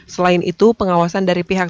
selain itu pengawasan dari pihak